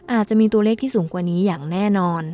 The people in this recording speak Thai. อาจจะมีตัวเลขที่สูงกว่านี้อย่างแน่นอน